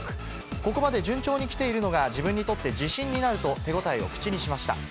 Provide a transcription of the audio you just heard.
ここまで順調にきているのが自分にとって自信になると、手応えを口にしました。